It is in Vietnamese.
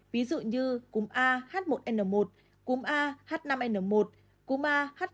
ví dụ như cúm a h một n một cúm a h năm n một cúm a h bảy n chín